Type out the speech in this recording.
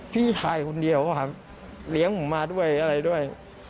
พี่ชายคนเดียวครับเลี้ยงผมมาด้วยอะไรด้วย